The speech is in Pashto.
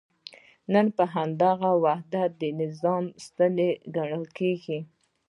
نن همدغه وحدت د نظام ستن ګڼل کېږي.